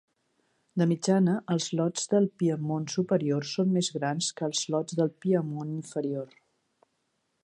De mitjana, els lots del Piedmont superior són més grans que els lots del Piedmont inferior.